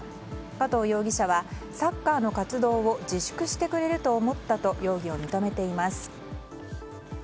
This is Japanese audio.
加藤容疑者はサッカーの活動を自粛してくれると思ったと容疑を認めています。